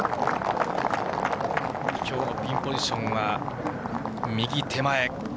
きょうのピンポジションは、右手前。